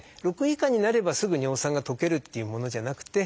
６以下になればすぐ尿酸が溶けるっていうものじゃなくて。